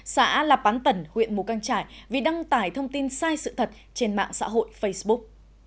xã lạp tẩn huyện mù căng trải vì đăng tải thông tin sai sự thật trên mạng xã hội facebook